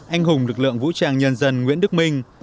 anh hùng lực lượng vũ trang nhân dân nguyễn đức minh